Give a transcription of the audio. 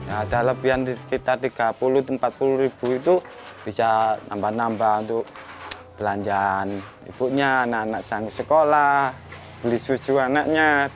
ada lebihan sekitar tiga puluh empat puluh ribu itu bisa nambah nambah untuk belanjaan ibunya anak anak sayang sekolah beli susu anaknya